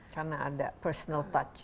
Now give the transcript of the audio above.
karena ada personal touch